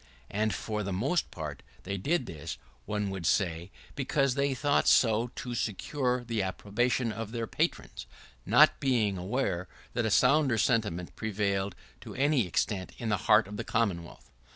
And, for the most part, they did this, one would say, because they thought so to secure the approbation of their patrons, not being aware that a sounder sentiment prevailed to any extent in the heart of the Commonwealth.